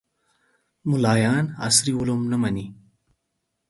ملایان عصري علوم نه مني